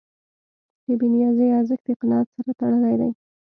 د بېنیازۍ ارزښت د قناعت سره تړلی دی.